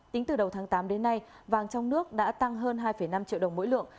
tính từ đầu tháng tám đến nay vàng trong nước đã tăng hơn hai năm triệu đồng mỗi lượng